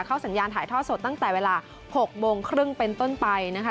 สัญญาณถ่ายท่อสดตั้งแต่เวลา๖โมงครึ่งเป็นต้นไปนะคะ